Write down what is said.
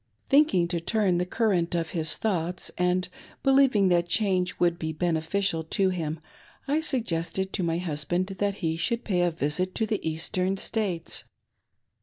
" Thinking to turn the current of his thoughts, and believing that change would be beneficial to him, I suggested to my hus band that he should pay a visit to the Eastern States.